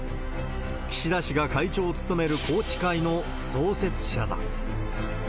岸田氏が会長を務める宏池会の創設者だ。